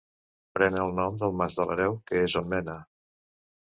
Pren el nom del Mas de l'Hereu, que és on mena.